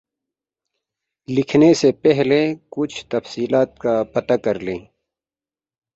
لکھنے سے پہلے کچھ تفصیلات کا پتہ کر لیں